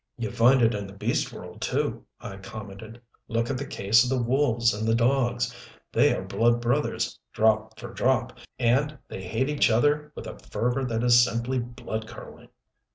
"You find it in the beast world, too," I commented. "Look at the case of the wolves and the dogs. They are blood brothers, drop for drop and they hate each other with a fervor that is simply blood curdling."